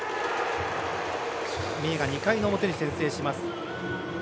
三重が２回の表に先制します。